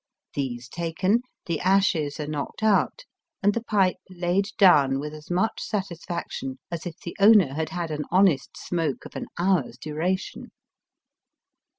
These taken, the ashes are knocked out, and the pipe laid down with as much satisfaction as if the owner had had an honest smoke of an hour's duration.